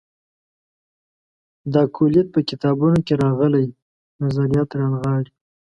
دا کُلیت په کتابونو کې راغلي نظریات رانغاړي.